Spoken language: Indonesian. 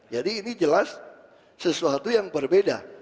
jadi ini jelas sesuatu yang berbeda